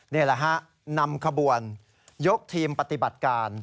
นี่แหละฮะนำขบวนยกทีมปฏิบัติการ